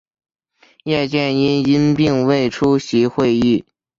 叶剑英因病未出席会议。